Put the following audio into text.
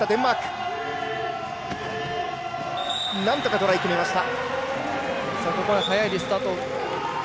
なんとかトライ決めました。